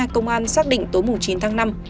công an xác định tối chín tháng năm